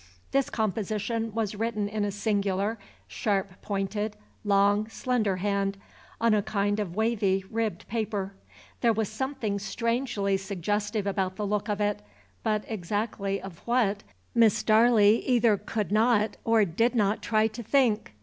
This composition was written in a singular, sharp pointed, long, slender hand, on a kind of wavy, ribbed paper. There was something strangely suggestive about the look of it, but exactly of what, Miss barley either could not or did not try to think.